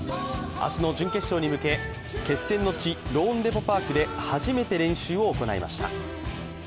明日の準決勝に向け決戦の地、ローンデポ・パークで初めて練習を行いました。